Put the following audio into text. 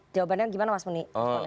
jawabannya gimana mas muni